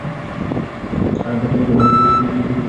আর তাঁর স্বামীকে কোনো চিকিৎসা না দিয়ে পুলিশ ধরে নিয়ে যায়।